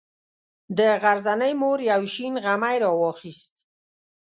د غرڅنۍ مور یو شین غمی راواخیست.